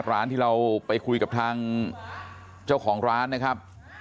ร้านที่เราไปคุยกับทางเจ้าของร้านนะครับ